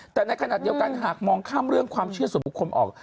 แต่ในขณะเดียวกันหากมองข้ามเรื่องความเชื่อส่วนบุคคลออก